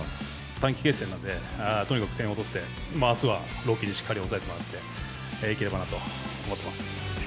短期決戦なので、とにかく点を取って、あすは朗希にしっかり抑えてもらっていければなと思ってます。